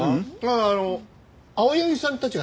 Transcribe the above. ああ青柳さんたちがね